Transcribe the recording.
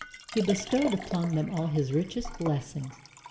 He bestowed upon them also all his richest blessings.